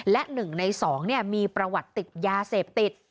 และ๑ใน๒มีประวัติติดยาเสพติด